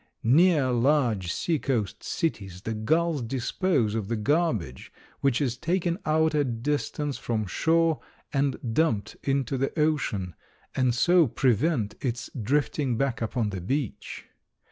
Near large sea coast cities the gulls dispose of the garbage which is taken out a distance from shore and dumped into the ocean, and so prevent its drifting back upon the beach.